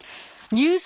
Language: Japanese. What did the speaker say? ニュース